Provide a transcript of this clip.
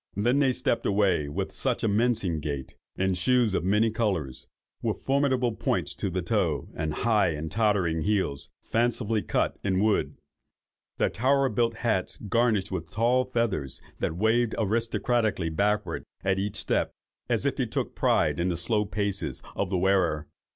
Then they stepped away with such a mincing gait, in shoes of many colours, with formidable points to the toes, and high and tottering heels, fancifully cut in wood; their tower built hats garnished with tall feathers that waved aristocratically backward at each step, as if they took a pride in the slow paces of the wearer.